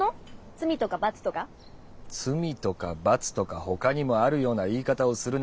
罪とか罰とか他にもあるような言い方をするな。